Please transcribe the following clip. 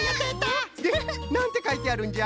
でなんてかいてあるんじゃ？